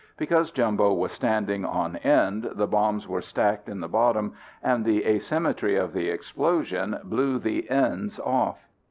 Because Jumbo was standing on end, the bombs were stacked in the bottom and the asymmetry of the explosion blew the ends off.